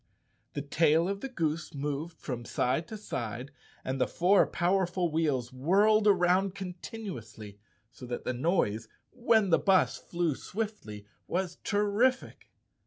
The tail of the goose moved from side to side, and the four powerful wheels whirled around continuously, so that the noise, when the bus flew swiftly, was terrific.